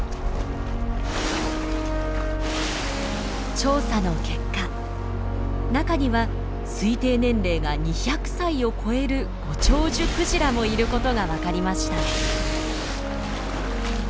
調査の結果中には推定年齢が２００歳を越えるご長寿クジラもいることが分かりました。